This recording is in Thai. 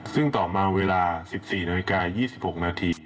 ซึ่งต่อมาเวลา๑๔นาฬิกา๒๖นาที